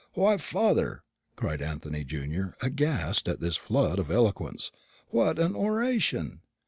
"Why, father," cried Anthony junior, aghast at this flood of eloquence, "what an oration!"